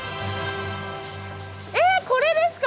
えっこれですか？